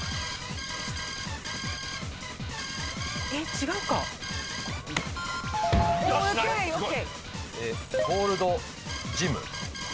違うか？ＯＫ！ＯＫ。